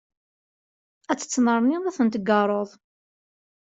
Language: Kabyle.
Ad ttennerniḍ ad ten-tagareḍ.